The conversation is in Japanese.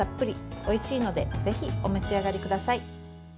おいしいのでぜひお召し上がりください。